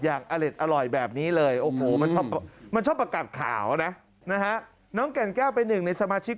อย่างอเล็ดอร่อยแบบนี้เลยมันชอบประกันข่าวนะฮะน้องแก่นแก้วเป็น๑ในสมาชิก